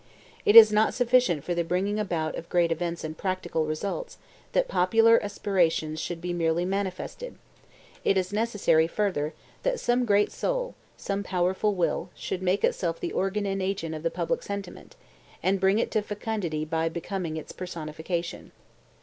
It is not sufficient for the bringing about of great events and practical results that popular aspirations should be merely manifested; it is necessary, further, that some great soul, some powerful will, should make itself the organ and agent of the public sentiment, and bring it to fecundity by becoming its personification.